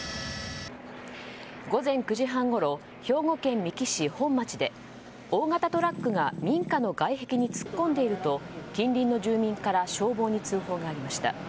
午前９時半ごろ兵庫県三木市本町で大型トラックが民家の外壁に突っ込んでいると近隣の住民から消防に通報がありました。